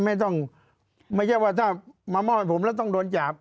ไม่ใช่ว่าถ้ามามอบให้ผมแล้วต้องโดนจับ